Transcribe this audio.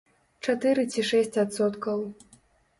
Чатыры ці шэсць адсоткаў.